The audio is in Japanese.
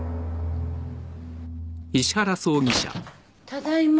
ただいま。